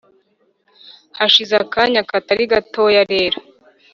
hashize akanya katari gatoya rero,